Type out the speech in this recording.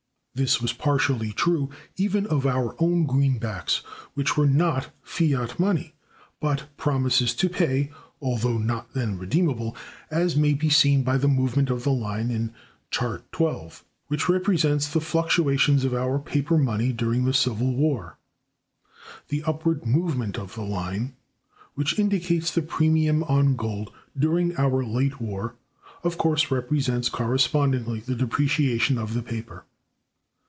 This was partially true, even of our own greenbacks, which were not fiat money, but promises to pay (although not then redeemable), as may be seen by the movement of the line in Chart XII (p. 359), which represents the fluctuations of our paper money during the civil war. The upward movement of the line, which indicates the premium on gold during our late war, of course represents correspondingly the depreciation of the paper.